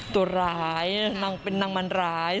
ตัวร้ายนางเป็นนางมันร้าย